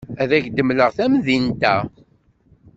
Ad ak-d-mleɣ tamdint-a.